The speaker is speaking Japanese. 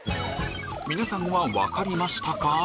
皆さんは分かりましたか？